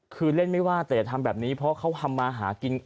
คือเล่นไม่ว่าแต่อย่าทำแบบนี้เพราะเขาทำมาหากิน